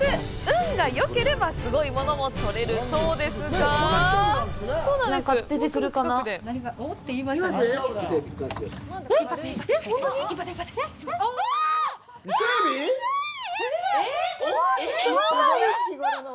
運がよければすごいものも取れるそうですが引っ張って、引っ張って。